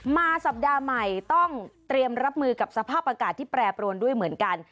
สัปดาห์ใหม่ต้องเตรียมรับมือกับสภาพอากาศที่แปรปรวนด้วยเหมือนกัน